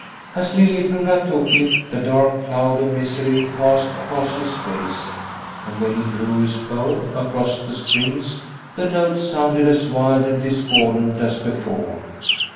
" As Liliecrona took it, the dark cloud of misery passed across his face, and when he drew his bow across the strings, the notes sounded as wild and discordant as before.